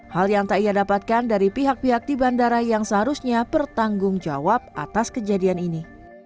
hal yang tak ia dapatkan dari pihak pihak di bandara yang seharusnya bertanggung jawab atas kejadian ini